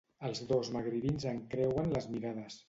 Els dos magribins encreuen les mirades.